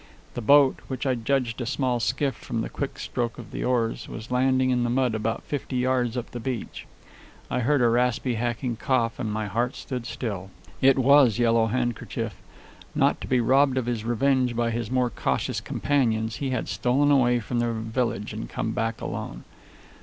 The boat, which I judged a small skiff from the quick stroke of the oars, was landing in the mud about fifty yards up the beach. I heard a raspy, hacking cough, and my heart stood still. It was Yellow Handkerchief. Not to be robbed of his revenge by his more cautious companions, he had stolen away from the village and come back alone.